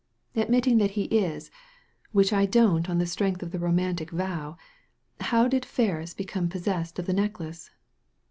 "Admitting that he is — which I don't on the strength of the romantic vow — how did Ferris become possessed of the necklace